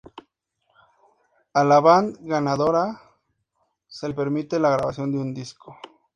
A la banda ganadora se le permite la grabación de un disco.